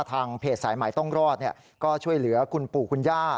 ทางเพจสายใหม่ต้องรอดก็ช่วยเหลือคุณปู่คุณย่า